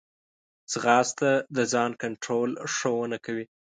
ځغاسته د ځان کنټرول ښوونه کوي